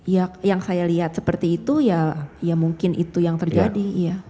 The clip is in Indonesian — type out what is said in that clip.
ya yang saya lihat seperti itu ya mungkin itu yang terjadi